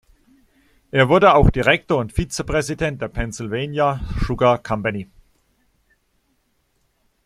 Er wurde auch Direktor und Vizepräsident der "Pennsylvania Sugar Company".